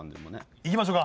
いきましょうか。